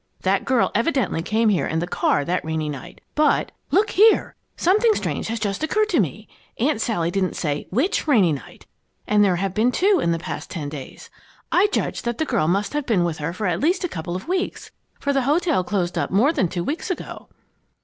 That girl evidently came here in the car that rainy night, but Look here! Something strange has just occurred to me Aunt Sally didn't say which rainy night, and there have been two in the past ten days. I judge that the girl must have been with her for at least a couple of weeks, for the hotel closed up more than two weeks ago."